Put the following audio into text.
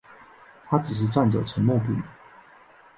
他只是站着沉默不语